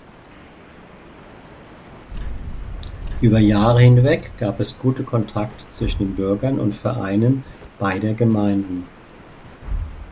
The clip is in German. Über Jahre hinweg gab es gute Kontakte zwischen den Bürgern und Vereinen beider Gemeinden.